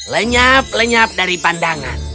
lenyap lenyap dari pandangan